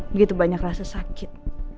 begitu banyak rasa sakit